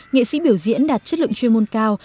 nghệ sĩ biểu diễn đạt chất lượng chuyên môn cao